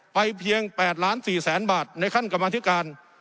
เพียง๘ล้าน๔แสนบาทในขั้นกรรมธิการ